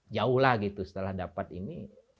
jauh lah gitu setelah dapat ini